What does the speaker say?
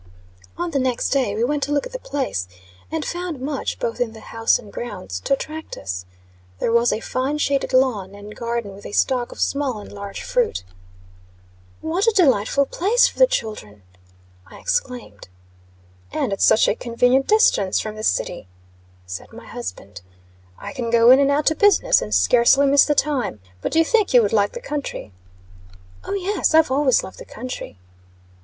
On the next day we went to look at the place, and found much, both in the house and grounds, to attract us. There was a fine shaded lawn, and garden with a stock of small and large fruit. "What a delightful place for the children," I exclaimed. "And at such a convenient distance from the city," said my husband. "I can go in and out to business, and scarcely miss the time. But do you think you would like the country?" "O, yes. I've always loved the country."